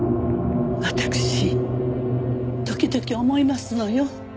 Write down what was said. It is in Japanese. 私時々思いますのよ。